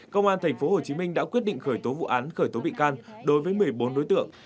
công an tp hcm đã quyết định khởi tố vụ án khởi tố bị can đối với một mươi bốn đối tượng